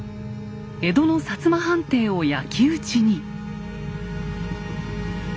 江戸の摩藩邸を焼き打ちに。